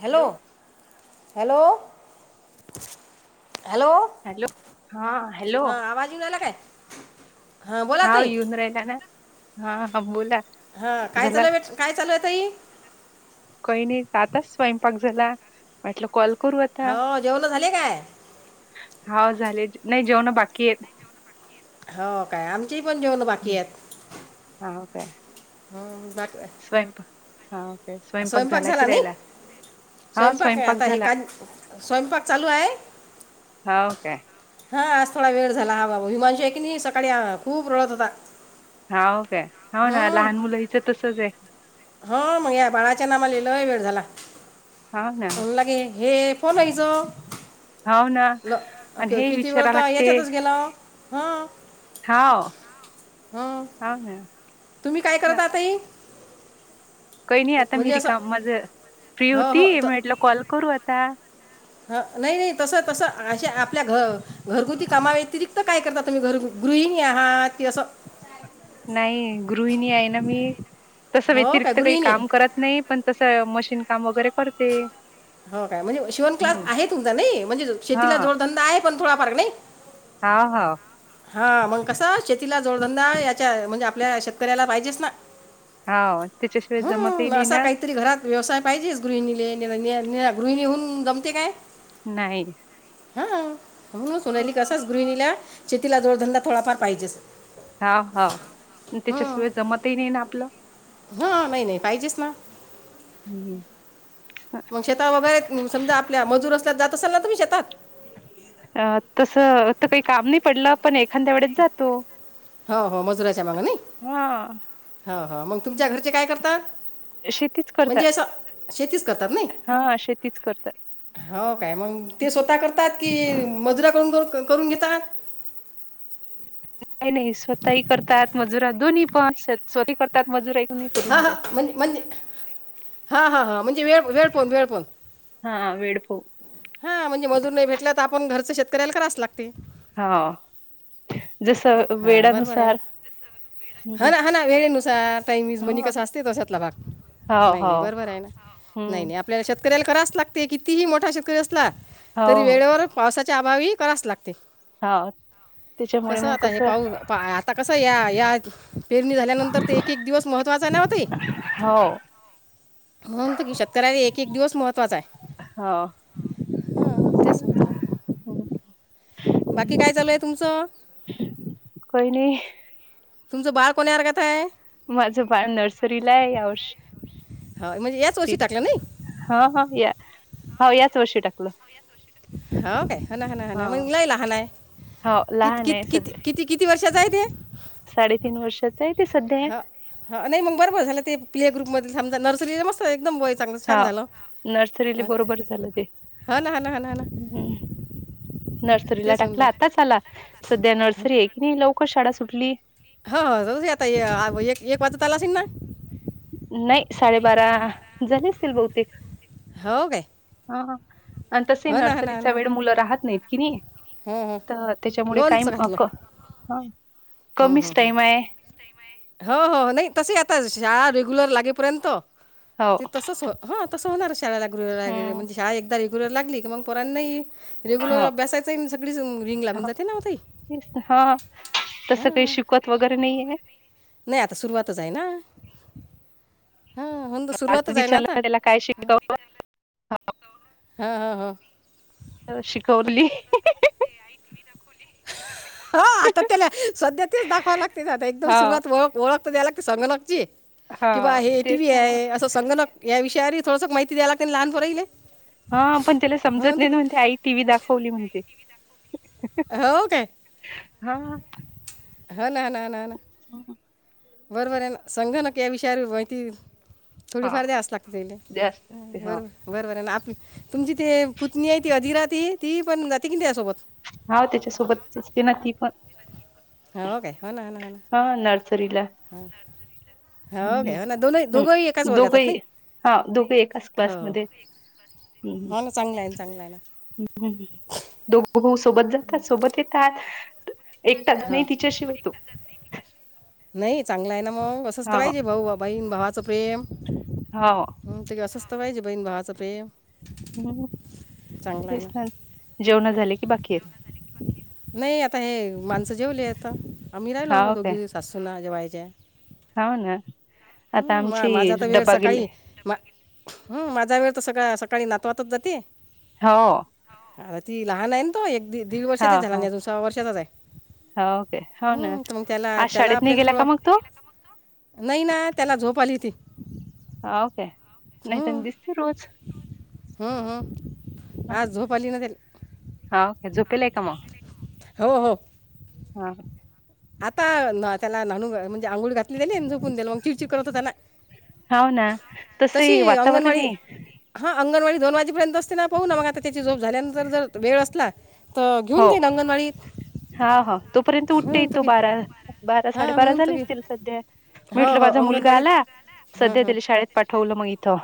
Hello hello hello hello हा hello हा आवाज येऊन रायला काय हां बोला हा ताई येऊन राहिला ना हा हा बोला हा काय झाला चालू काय चालूय तई काही नाही आताच स्वयंपाक झाला म्हटलं कॉल करू आता हो जेवण झाले काय हा झाले नाही जेवण बाकी आहेत हो काय आमचे पण जेवण हं, बाकी आहेत हा काय हम [unintelligible] हाके स्वयंपाक झाला कि रायला स्वयंपाक आहे आता हे का स्वयंपाक चालू आहे हाव काय हा आज थोडा वेळ झाला हा बाबू हिमांशू आहे की नाही सकाळी खूप रळत होता हाव काय? हो ना, लहान मुल इथ तसच आहे. हो, मग या बाळाच्या नामाने लय वेळ झाला. हाव ना होऊन लागे. हे बोलायचो हाव ना ल आणि हे किती वेळ विचारा तर लागते ह्याच्यातच गेला हं. हाव. हां ह तुम्ही काय करता ताई? काही नाही आता मी असं रिकाम माझं, फ्री हो होती म्हटलं कॉल करू आता. ह नाही नाही तस तस अशे आपल्या घ घरगुती कामा व्यतिरिक्त काय करता तुम्ही घरी? गृहिणी आहात की, असं नाही, गृहिणी आहे ना मी. तसं हो काय व्यतिरिक्त काही गृहिणी काम करत नाही, पण तसं मशीन काम वगैरे करते. हो काय? म्हणजे शिवण क्लास हम्म. आहे तुमचा नाही, म्हणजे शेतीला जोडधंदा आहे पण थोड फार नाही. हां हां हां मग कसं शेतीला जोडधंदा याच्या म्हणजे आपल्या शेतकऱ्याला पाहिजेचना, हाव त्याच्याशिवाय जमतही हम् नाही असा ना काहीतरी घरात व्यवसाय? पाहिजेच. गृहिणीले गृहिणी होऊन जमते काय. नाही. हा म्हणून सोनाली कसाच गृहिणीला, शेतीला जोडधंदा थोडाफार पाहिजेच. हाव हाव हं त्याच्याशिवाय जमतही नाही ना आपलं. हां नाही नाही पाहिजेच ना हं ह मग शेतात वगैरे समजा, आपल्या मजूर असल्यात जात असाल ना तुम्ही शेतात? अ तस आता काही काम नाही पडलं. पण एखांद्या एवढेच जातो. हो हो मजुराच्या हा. हा, मग तुमच्या घरचे काय करतात? शेतीच करतात. म्हणजे अस, शेतीच करतात नाही? हा शेतीच करतात. हो काय, मग ते हं. स्वतः करतात कि मजुर- करून घेतात. काही नाही स्वतःही करतात, मजुरा दोन्ही पण आहेत स्वतःही करतात. मजुराही करून हा, घेतात. हा, म्हणजे म्हणजे, हा हा हा म्हणजे वेळ वेळ पण वेळ पण. हा वेळ पाहून. हां, म्हणजे मजुर नाही भेटला तर आपण घरच शेतकऱ्याला करावच लागत. अ हो जस हां बरोबर आहे ना वेळेनुसार. हा ना हा ना वेळेनुसार टाइम इज मनी हो, कसा असते तश्यातला भाग. हो, नाही नाही हो. बरोबर आहे ना नाही हम्म. नाही आपल्याला शेत- शेतकऱ्याला कराच लागते. कितीही मोठा शेतकरी असला, हो, तरी हो. वेळेवर पावसाचे अभावी करावच लागते. हो तिच्या कसं आता हे पाऊस आता कसं या, या पेरणी झाल्यानंतर ते एक एक दिवस महत्त्वाचा हाय नव्ह ते हो म्हणून तर शेतकऱ्याला एक-एक दिवस महत्वाचा हाय. हो. हं. हां. तेच म्हंटलं. हं. बाकी काय चालू हाय तुमचं? काय नाही. तुमचं बाळ कोण्या वर्गात आहे माझं, बाळ नर्सरीला आहे, यावर्षी. हो म्हणजे याच वर्षी ठीक टाकलं नाही आहे. हा हा या हो याच वर्षी टाकलं. हो काय, मग हां. लई लहान हाय. हो कित् लहान आहे कित् कित् सध्या. किती किती वर्षाचा आहेत? साडेतीन वर्षाचं आहे ते सध्या. हा हा नाही मग बरबर झालं ते प्ले ग्रुपमधे थांबता नर्सरीला मस्त एकदम बाॅय चांगल छान हां. झालं. नर्सरीला बरोबर झालं ते. हो ना हं. नर्सरीला तेच होऊन टाकला. राहील आता चला, सध्या नर्सरी आहे की, नाही लवकर शाळा सुटली. हो, होऊ दे आता एक वाजत आला असेल ना, नाही साडेबारा झाले असतील बहुतेक हो काय ह ह तसे हो ना हा ना हा नर्सरीचा ना वेळ मुलं राहत नाहीत कि नाही हो हो तर त्याच्यामुळे काय म क हम् कमीच हम टाइम ह आहे हो हो नाही तसे आता शाळा रेग्युलर लागेपर्यंत हो ते तसच हो तस होणार शाळेला [unintelligible] हम्म म्हणजे शाळा एकदा घुरं लागली की मग पोरांनाही रेग्युलर हो अब्यासायचं सगळीच रिंग लागून हो जाते ना व ताई ते शिकवत वगैरे नाहीये नाही आता सुरुवातच आहे ना हां हो ना, आज सुरुवातच आहे विचारलं आता ना त्याला काय शिकवल हां हां हो [inaudible] शिकवली हो आता त्याला सध्या तेच दाखवाव लागते आता एकदम हा सुरुवात ओळख ओळख संगणक हा तेच ना मग असं या विषयावर श थोडं माहिती्यायला नाही लहानर राईल हा पण त्याला समजत नाही ना म्हण आई टी व्ही दाखवली म्हणते हो काय हा हो ना ना ना ना हम बरोबर आहे संगणक या विषय माहिती हा थोडीफार द्यास लागते त द्यास लागते हा बरो बरोबर आहे तुमची ते पुत्नी आहे ती अधिरा त ती पण जाते की त्यासोबत हा त्याच्यासोबतच असते ना ती पण हो हो काे हो ना हो ना हो ना हा ह काय हो हम् वर्गात आहेत दोघही नाही हा दोघ एकाच हो क्लासमध्ये हम् हो ना चांगलं आहे ना चांगलं आहे ना ह ह् ह् ह दो सोबत जातात सोबत येतात एकटाच हो नाही तिच्याशिवाय तू नाही चांगलं आहे ना मग असंचत हा पाहिजे भाऊ बहीण भावाचं प्रेम हो हं, ते असंच तर पाहिजे बहीण भावाचं प्रेम चांगलं आहे तेच ना जेवण झाली बाकी आहेत नाही आता हे माणसं जेवली आता आम्ही राहिलो हा काय दोघी सासूना जेवायच्या हो ना आता हम् आमची माझा तर वेळ डब्बा गेले सकाळी हम माझा वेळ तर सकाळ सकाळी नातवातच जाते हो अर ती लहान आहे ना तो एक दीड हा वर्षाातच झाला हा नाही दुसऱ्या वर्षातच आहे हो काय हो ना हम् तर मग त्याला आज त्याला शाळेत नाही आपल्याला गेला का मग तो थोडं नाही ना त्याला झोप आली ती हा ओ काे नाहीतना दिसते रोज हम् हम् आज झोप आली नदल हा ओके झोपेल आहे का मग हो हो हा आता त्याला नणू म्हणजे आंघोळ घातली दिले झोपून दिला मग चिडचिड करत हो त्याना हो ना तस वातावरण आहे हां अंगणवाडी दोन वाजेपर्यंत असते ना पाहू ना मग आता त्याची झोप झाल्यानंतर जर वेळ असला तर हो घेऊन जाईन अंगणवाडीत हा हो तोपर्यंत उठते म्हणून य तर तू की बारा बारा हां साडेबारा म्हणून तर झाली की असतील सध्या हो म्हटलं हो माझा मुलगा आला अंगणवाडीत हां सध्या हां तिला शाळेत पाठवलं मग इथं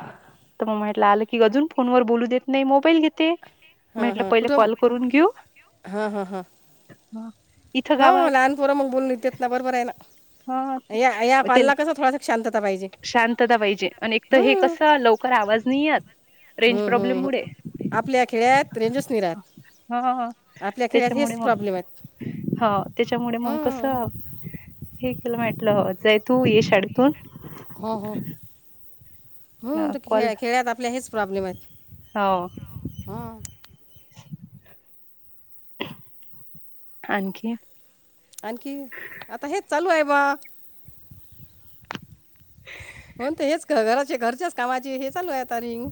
तर मग म्हटलं आलं की अजून फोनवर बोलू देत नाही मोबाईल घेते म्हटलं पहिले कॉल करून घेऊ हं हं हं हा. इथं हो गावात लहानपोर मग बोलून देत ना बरोबर आहे ना ह या या कॉलला कसं थोडासा शांतता पाहिजे शांतता पाहिजे आणि एक तर हे कसं लवकर आव वजनीयत हम् हम्म आपल्या खेड्यात रेंजस निरात ह ह ह त्याच्यामुळे मग आहेत ह त्याच्यामुळे मग कस हां हे केलं माेटलं जाय तू ये शाळेतून हो हो हो त कॉल खे खेळ्यात आपल्या हेच प्रॉब्लेम आहेत हो हां आणखी आणखी आता हेच चालू आहे बा होण ते हेच घराचे घरच्याच कामाचे हे चालू आहेता रिंग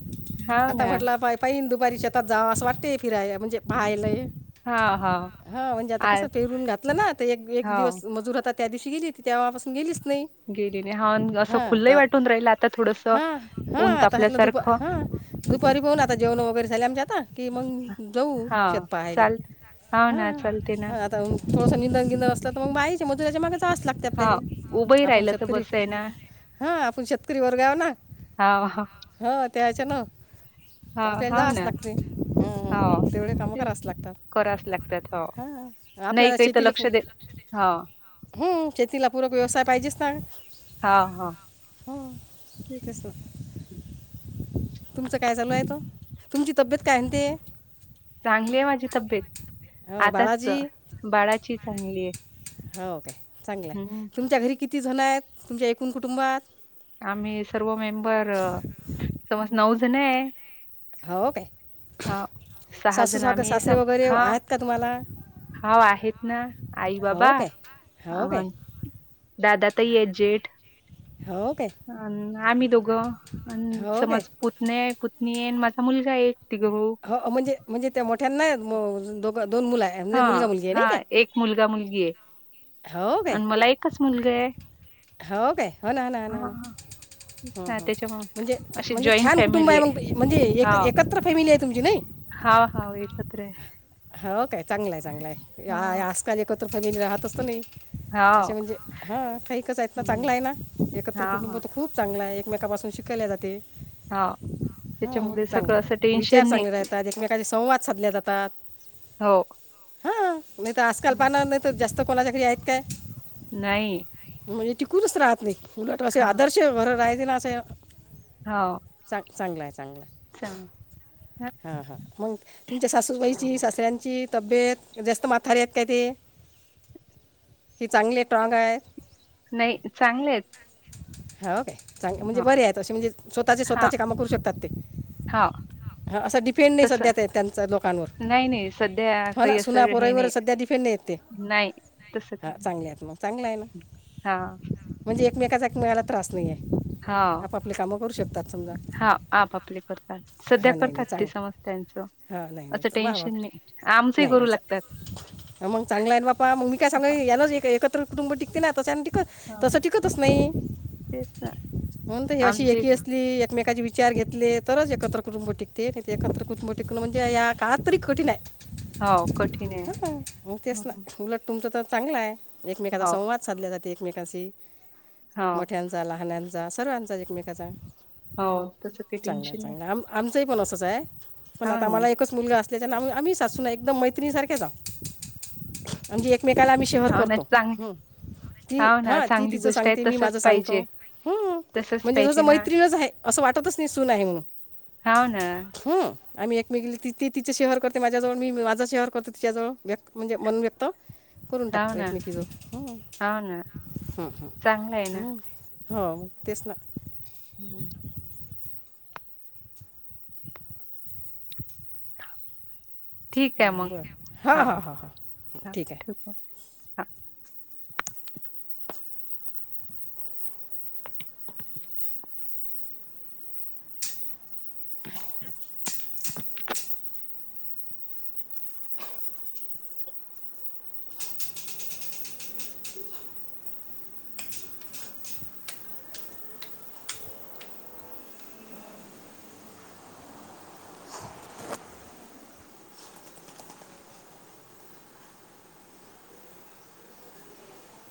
हा आता ना म्हटलं पा पान दु दुपारीच्या शेतात जाव असं वाटतंय फिराय म्हणजे पाहायलाय. हा हो हा म्हणजे आता कस पेरून घातलं ना त, एक एक हो दिवस मजूर आता त्या दिवशी गेली. ती तेव्हापासून गेलीच नाही गेली नाही हा अन असं हां. खुल्लही आता वाटून राहिल आता थोडस हा हा हा ऊन आता दुप तापल्यासारखं ह दुपारी पाहू आता जेवण वगैरे झा ात की मग जाऊ हा शेत पाहायला. चाल हाव हा ना चालते ना आता थोडस निंद गिंद असला तर मग बायच मजुराच्या मागच त्रास लागते हा आपल्याले उभंही आपण राहिलं तर शेतकरी बस आहे ना हा, आपण शेतकरी वर्गावर हाव ना हा तेयच्या ना आपल्या हाव जाचं ना लागते हाव ह तेवढे काम तेच कराचं करावच हो लागतात ह नाही आपल्याला काही तर शेतीला लक्ष फूप दे हा हम शेतीला पूरक व्यवसाय पाहिजेच ना. हा हा हो तेसं तुमचं काय चालू आहे? त तुमची तब्येत काय म्हणते. चांगली आहे माझी तब्येत हो आताच बाळाजी बाळाची चांगली आहे. हां ओ काे चांगलं आहे. हम्म तुमच्या घरी किती जणं आहेत तुमच्या एकूण कुटुंबात? आम्ही सर्व मेंबर समज नऊजण आहे. हो काय हा सहा सासू जण आम्ही सासरे आहे वगैरे हा आहेत का तुम्हाला? हा आहेत ना आई बाबा हो काय हो अ काय दादा ताई ये जेट हो काय अ आम्ही दोघं अ हो काय समज पुतणेत मी ऐन माझा मुलगा एक. हो म्हणजे म्हणजे त्या मोठ्यांना दोघं दोन मुलं आहे म्हणजे हा मुलगा मुलगी आहे हा नाही एक मुलगा, मुलगी आहे. काय हो काय आणि मला एकच मुलगा आहे. हो काय हो ना हो ना हो हो हा तेच ना ना ह ह त्याच्यामुळ म्हणजे अशी म्हणजे जॉईंट छान कुटुंब फॅमिली आहे मग म्हणजे एक एकत्र फॅमिली आहे. तुमची नाही हा हा एकत्र आहे. हो हो काय चांगलंय चांगलाय हा आजकाल एकत्र फॅमिली राहतच नाही. हाव अशे म्हणजे हा काही कच आहेत ना हम्म चांगला आहे ना एकत्र हा कुटुंब हा तर खूप चांगल आहे. एकमेका पासून शिकल्या जाते. हा हम चांगला आहे विचार चांगले राहतात. एकमेकशी संवाद साधले जातात. हो हा नाही तर आजकाल हम्म पाना नाही तर जास्त कोणाच्या घरी आहेत काय. नाही म्हणजे टिकूनच राहत नाही. उलट असे हा आदर्श घर ला असं हाव च चांगलं आहे. चांगलं आहे. चांग हा हा मग तुमच्या सासूबाईची सासऱ्यां ची तब्येत जास्त माथारी आहेत काय ते? हेि चांगले टॉग आहे. नाही चांगलेयेत. हो काय, चांग म्हणजे बरे आहेत असे म्हणजे स्वतःचे हा स्वतःचे काम करू शकतात ते. हाव हा असं डिपेंड नाही तसं सध्या त्या त्यांच लोकांवर नाही, नाही. सध्या हो काही ना असं हे सुनापोराईवर नाही. सध्या डिफेंड नाही ते नाही, हा चांगले आहेत मग चांगला आहे ना. हा म्हणजे एकमेकाचा एकमेकाला त्रास नाही आहे आपली कामं करू शकतो. हा आप आपले करतात सध्या हां नाही नाही करतात ते चांगलं समज त्याचं. हा वा वाग नाही लागतात. मग चांगला आहे बापा मग मी काय सांगल यान एक एकत्र कुटुंब टिकते ना तश टिकत तस हां, टिकतच नाही तेच ना. होण हे अशी आमचंही एकी असली एकमेकाचे विचार घेतले तरच एकत्र कुटुंब टिकते नाही ते एकत्र कुटुंब टिकण म्हणजे या काातरी कठीण आहे हो, कठीण आहे. मग तेच हं, ना हं. उलट तुमच तर चांगलं आहे एकमेकाचा हो, संवाद साधले जाते एकमेकांशी हो, मोठ्यांचा लहानां [unintelligible] ण हो. तसं काही टेन्शन नाही. असच पण हां आता ना. मला एकच मुलगा अस आ च एकदम मैत्रिणी सारखे जा म्हणजे एकमेकाला आम्ही शेहर हो ना, करतो चांग ती हो ना, हा ती चांगली तिचं गोष्ट आहे. सांगते मी माझं तसंच सांगतो पाहिजे. ह तसंच म्हणजे जस पाहिजे ना. मैत्रीणच आहे अस वाटतच नाही सून आहे म्हणून हव ना हं. आम्ही एकमे गेली त ते तिचे शहर करते माझ्याजवळ मी माझं शहर करतो तिच्याजवळ व्यक्त म्हणजे मन व्यक्त करून हो टाकतो ना, एकमे तिझं हो ना. ह चांगलं आहे ना. ह हो तेस ना हम्म ठीक आहे हां मग बरं हां हा हां हां हां हा ठीक आहे क ह